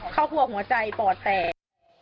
เขากลัวหัวใจปอดแตก